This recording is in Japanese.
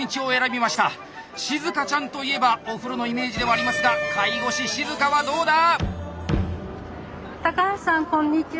しずかちゃんといえばお風呂のイメージではありますが介護士しずかはどうだ⁉高橋さんこんにちは。